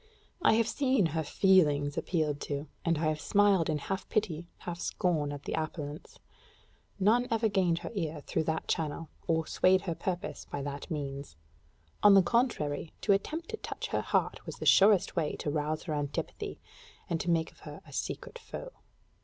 I have seen her feelings appealed to, and I have smiled in half pity, half scorn at the appellants. None ever gained her ear through that channel, or swayed her purpose by that means. On the contrary, to attempt to touch her heart was the surest way to rouse her antipathy, and to make of her a secret foe.